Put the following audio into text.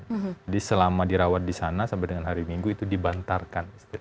jadi selama dirawat di sana sampai dengan hari minggu itu dibantarkan